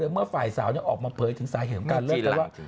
คือเมื่อฝ่ายสาวเนี่ยออกมาเผยถึงสายเหตุการณ์เลือกกันว่า